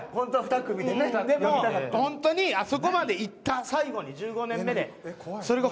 本当にあそこまで行った最後に１５年目で。